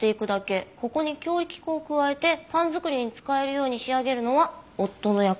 「ここに強力粉を加えてパンづくりに使えるように仕上げるのは夫の役目」